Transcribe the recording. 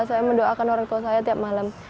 saya mendoakan orang tua saya tiap malam